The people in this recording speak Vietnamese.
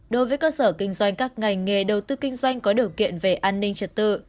đối với cơ sở kinh doanh các ngành nghề đầu tư kinh doanh có điều kiện về an ninh trật tự